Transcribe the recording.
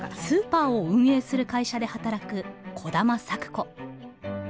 スーパーを運営する会社で働く兒玉咲子。